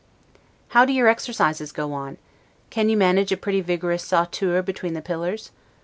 How do your exercises go on? Can you manage a pretty vigorous 'sauteur' between the pillars?